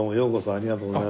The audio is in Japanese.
ありがとうございます。